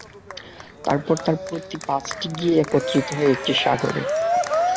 তারপর তার প্রতি পাঁচটি গিয়ে একত্রিত হয় একটি সাগরে।